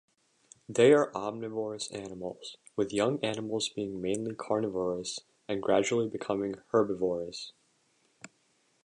They are omnivorous animals, with young animals being mainly carnivorous and gradually becoming herbivorous.